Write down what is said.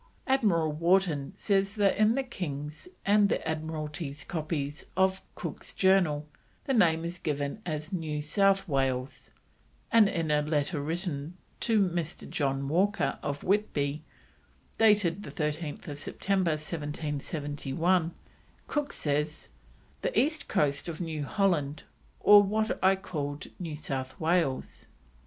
Admiral Wharton says that in the King's and the Admiralty's copies of Cook's Journal the name is given as New South Wales, and in a letter written to Mr. John Walker, of Whitby, dated 13th September 1771, Cook says: "The East coast of New Holland, or what I call New South Wales."